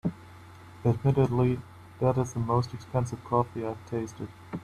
Admittedly, that is the most expensive coffee I’ve tasted.